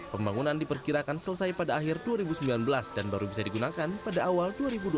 pembangunan diperkirakan selesai pada akhir dua ribu sembilan belas dan baru bisa digunakan pada awal dua ribu dua puluh